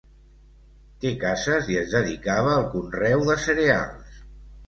Té cases i es dedicava al conreu de cereals.